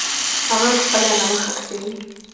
هغه خپله رمه خرڅوي.